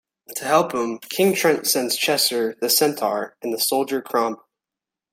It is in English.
To help him, King Trent sends Chester the Centaur and the soldier Crombie.